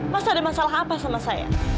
masa ada masalah apa sama saya